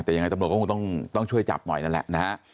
แต่ยังไงตำรวจก็คงต้องช่วยจับหน่อยนั่นแหละนะฮะ